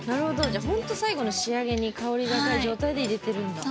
じゃほんと最後の仕上げに香りが出た状態で入れてるんだ。